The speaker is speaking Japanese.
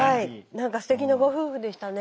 何かすてきなご夫婦でしたね。